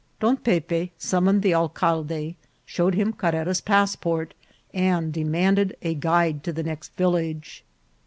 Don Pepe summoned the alcalde, showed him Carrera's passport, and demanded a guide to the next village.